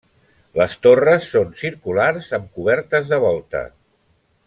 Les torres són circulars amb cobertes de volta.